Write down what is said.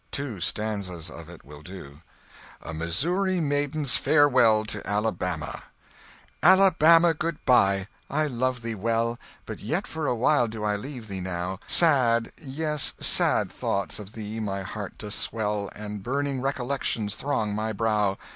Two stanzas of it will do: "A MISSOURI MAIDEN'S FAREWELL TO ALABAMA "Alabama, goodbye! I love thee well! But yet for a while do I leave thee now! Sad, yes, sad thoughts of thee my heart doth swell, And burning recollections throng my brow!